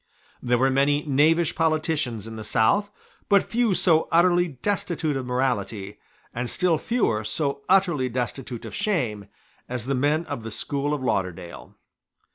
There were many knavish politicians in the South; but few so utterly destitute of morality, and still fewer so utterly destitute of shame, as the men of the school of Lauderdale.